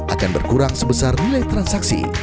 akan berkurang sebesar nilai transaksi